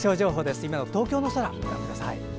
今の東京の空、ご覧ください。